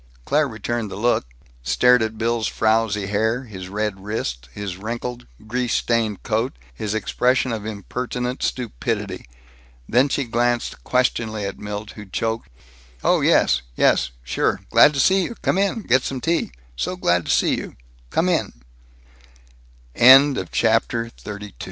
Claire returned the look, stared at Bill's frowsy hair, his red wrists, his wrinkled, grease stained coat, his expression of impertinent stupidity. Then she glanced questioningly at Milt, who choked: "Oh yes, yes, sure, glad see you, come in, get some tea, so glad see you, come in " CHAPTER XXXIII TOOTH MUG TEA "My friend Mr. McGolwey